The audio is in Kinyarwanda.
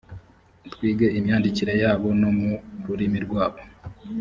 twige imyandikire yabo no mu rurimi rwabo